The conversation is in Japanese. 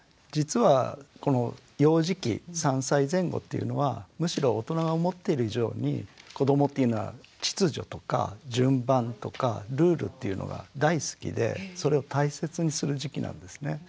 実はこの幼児期３歳前後っていうのはむしろ大人が思っている以上に子どもっていうのは秩序とか順番とかルールっていうのが大好きでそれを大切にする時期なんですね。